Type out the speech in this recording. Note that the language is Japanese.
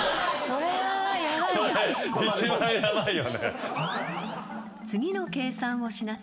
それ一番ヤバいよね。